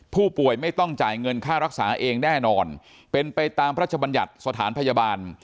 ผู้ป่วยไม่ต้องจ่ายเงินค่ารักษาเองแน่นอนเป็นไปตามพระชบัญญัติสถานพยาบาล